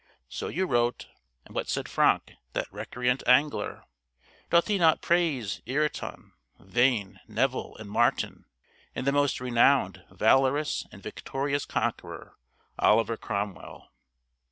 So you wrote; and what said Franck, that recreant angler? Doth he not praise 'Ireton, Vane, Nevill, and Martin, and the most renowned, valorous, and victorious conqueror, Oliver Cromwell.'